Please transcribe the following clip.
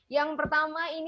yang pertama ini